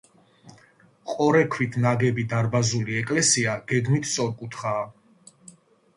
ყორექვით ნაგები დარბაზული ეკლესია გეგმით სწორკუთხაა.